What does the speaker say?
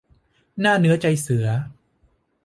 หน้าเนื้อใจเสือ